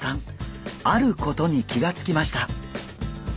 あることに気が付きました。